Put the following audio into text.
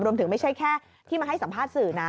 ไม่ใช่แค่ที่มาให้สัมภาษณ์สื่อนะ